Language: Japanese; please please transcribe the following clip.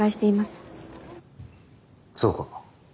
そうか。